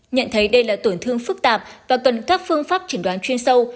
nhận thấy đây là tổn thương phức tạp và cần các phương pháp chẩn đoán chuyên sâu